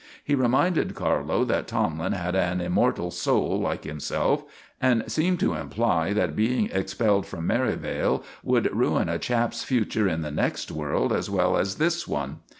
He reminded Carlo that Tomlin had an immortal soul like himself, and seemed to imply that being expelled from Merivale would ruin a chap's future in the next world as well as this one.